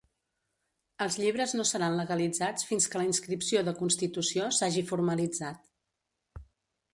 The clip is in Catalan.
Els llibres no seran legalitzats fins que la inscripció de constitució s'hagi formalitzat.